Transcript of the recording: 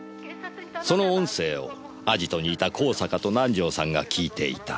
その音声をアジトにいた香坂と南条さんが聞いていた。